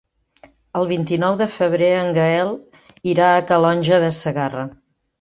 El vint-i-nou de febrer en Gaël irà a Calonge de Segarra.